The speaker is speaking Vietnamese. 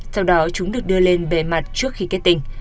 theo đó chúng được đưa lên bề mặt trước khi kết tinh